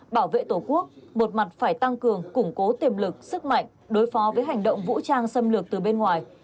bảo vệ tổ quốc một mặt phải tăng cường củng cố tiềm lực sức mạnh đối phó với hành động vũ trang xâm lược từ bên ngoài